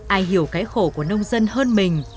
ai hiểu cái khổ của nông dân hơn mình